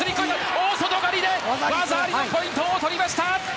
大外刈りで技ありのポイントを取りました！